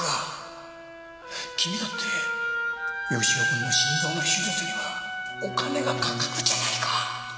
君だって義男君の心臓の手術にはお金が掛かるじゃないか